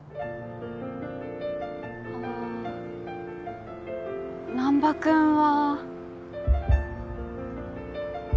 あ難破君は。